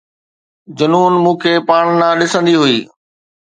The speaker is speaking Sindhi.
جنون مون کي پاڻ ڏانهن ڏسندي هئي